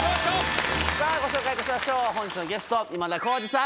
ご紹介いたしましょう本日のゲスト今田耕司さん！